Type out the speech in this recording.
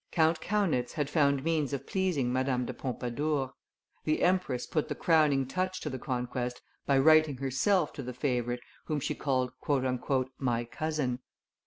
Count Kaunitz had found means of pleasing Madame de Pompadour; the empress put the crowning touch to the conquest by writing herself to the favorite, whom she called "My cousin."